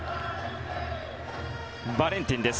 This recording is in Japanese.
バレンティンです。